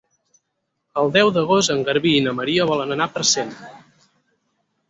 El deu d'agost en Garbí i na Maria volen anar a Parcent.